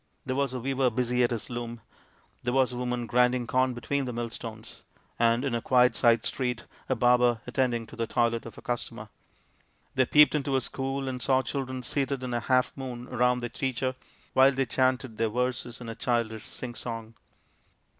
There was a weaver busy at his loom, there a woman grinding corn between the millstones, and in a quiet side street a barber attending to the toilet of a customer. They peeped into a school and saw the children seated in a half moon round their teacher while they chanted their verses in a childish sing song.